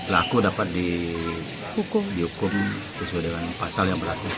laku dapat dihukum sesuai dengan pasal yang berlaku